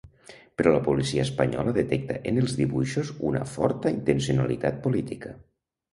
Però la policia espanyola detecta en els dibuixos una forta intencionalitat política.